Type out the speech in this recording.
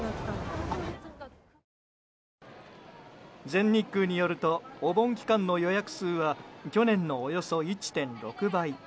全日空によるとお盆期間の予約数は去年のおよそ１．６倍。